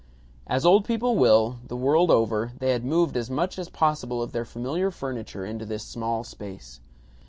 As old people will, the world over, they had moved as much as possible of their familiar furniture into this small space.